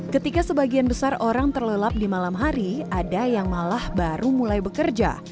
ketika sebagian besar orang terlelap di malam hari ada yang malah baru mulai bekerja